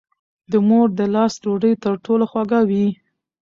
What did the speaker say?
د مور د لاس ډوډۍ تر ټولو خوږه وي.